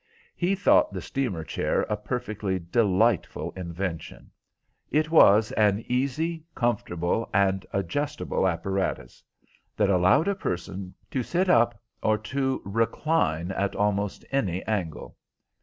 He thought the steamer chair a perfectly delightful invention. It was an easy, comfortable, and adjustable apparatus, that allowed a person to sit up or to recline at almost any angle.